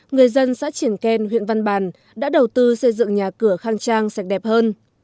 người dân xã triển ken huyện văn bàn đã đầu tư xây dựng nhà cửa khang trang sạch đẹp hơn